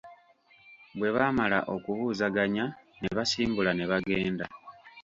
Bwe baamala okubuuzaganya, ne basimbula ne bagenda.